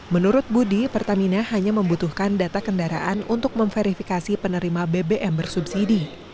menurut budi pertamina hanya membutuhkan data kendaraan untuk memverifikasi penerima bbm bersubsidi